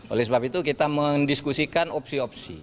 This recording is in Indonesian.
oleh sebab itu kita mendiskusikan opsi opsi